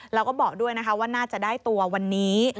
แล้วก็บอกด้วยนะคะว่าน่าจะได้ตัววันนี้